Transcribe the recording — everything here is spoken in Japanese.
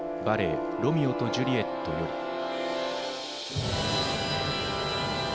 バレエ「ロミオとジュリエット」より。